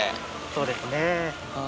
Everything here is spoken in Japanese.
そうですね。